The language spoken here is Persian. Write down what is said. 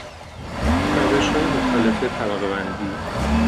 روشهای مختلف طبقه بندی